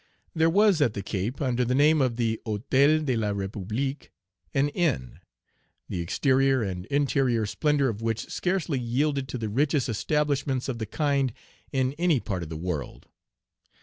There was at the Cape, under the name of the Hôtel de la République, an inn, the exterior and interior splendor of which scarcely yielded to the richest establishments of the kind in any part of the world.